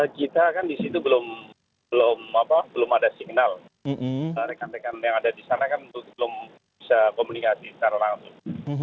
kita kan di situ belum ada signal rekan rekan yang ada di sana kan belum bisa komunikasi secara langsung